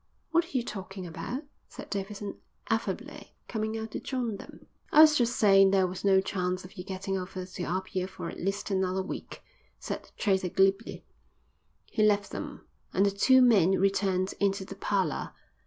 "What are you talking about?" said Davidson affably, coming out to join them. "I was just saying there was no chance of your getting over to Apia for at least another week," said the trader glibly. He left them, and the two men returned into the parlour.